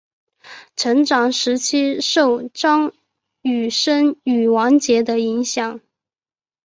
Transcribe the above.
成长时期受张雨生与王杰的影响。